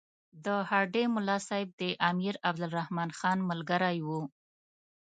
د هډې ملاصاحب د امیر عبدالرحمن خان ملګری وو.